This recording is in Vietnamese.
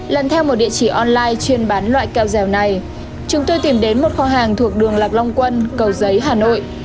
lần theo một địa chỉ online chuyên bán loại keo dẻo này chúng tôi tìm đến một kho hàng thuộc đường lạc long quân cầu giấy hà nội